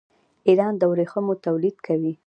ایران د ورېښمو تولید کوي.